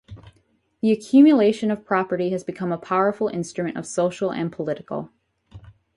The accumulation of property has become a powerful instrument of social and political.